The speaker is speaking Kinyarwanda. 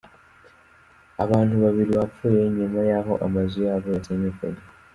Abantu babiri bapfuye nyuma y’aho amazu yabo yasenyukaga.